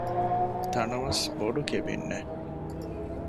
ތަނަވަސް ބޮޑު ކެބިންއެއް